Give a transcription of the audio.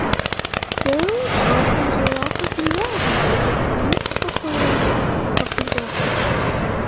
The early Broncos were offered in wagon, pickup, and a less popular roadster configuration.